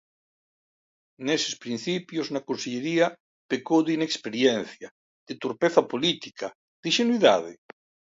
Neses principios na consellería pecou de inexperiencia, de torpeza política, de inxenuidade?